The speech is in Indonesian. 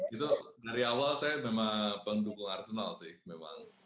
itu dari awal saya memang pendukung arsenal sih memang